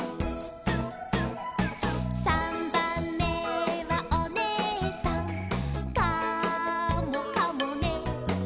「さんばんめはおねえさん」「カモかもね」